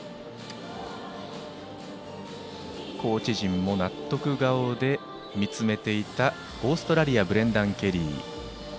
コーチ陣も納得顔で見つめていたオーストラリアブレンダン・ケリー。